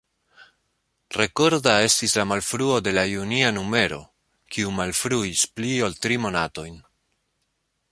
Rekorda estis la malfruo de la junia numero, kiu malfruis pli ol tri monatojn.